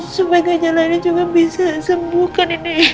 supaya kajalannya juga bisa sembuhkan ini